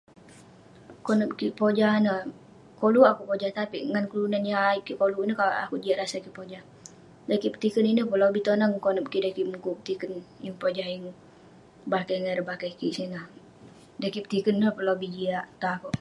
Konep kik pojah ineh, koluk akouk pojah..tapik ngan kelunan yah ayuk koluk ineh keh akouk jiak rasa kik pojah..dan petikern ineh peh lobih toneng konep kik dan kik mukuk petikern ..yeng pojah, yeng pebakeh ngan ireh bakeh kik sineh..dan kik petikern ineh peh lebih jiak tong akouk..